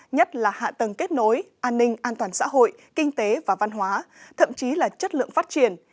nhất là hạ tầng kết nối an ninh an toàn xã hội kinh tế và văn hóa thậm chí là chất lượng phát triển